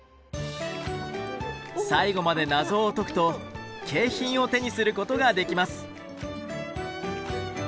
最後まで謎を解くと景品を手にすることができます。